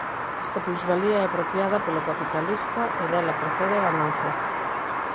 Esta plusvalía é apropiada polo capitalista e dela procede a ganancia.